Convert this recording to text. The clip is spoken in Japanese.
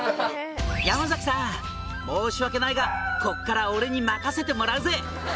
「山さん申し訳ないがこっから俺に任せてもらうぜ」